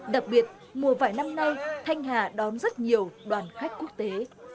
đặc biệt mùa vải năm nay thanh hà đón rất nhiều đoàn khách quốc tế